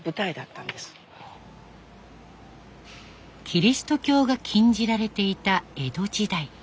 キリスト教が禁じられていた江戸時代。